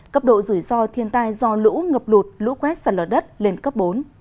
cấp độ rủi ro thiên tai do lũ ngập lụt lũ quét sạt lở đất lên cấp bốn